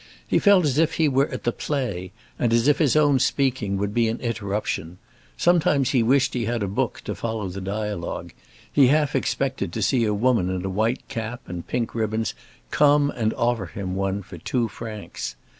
He felt as if he were at the play, and as if his own speaking would be an interruption; sometimes he wished he had a book, to follow the dialogue; he half expected to see a woman in a white cap and pink ribbons come and offer him one for two francs.